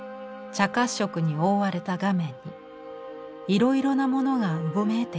茶褐色に覆われた画面にいろいろなものがうごめいています。